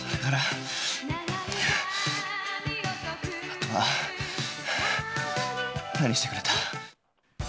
あとは何してくれた？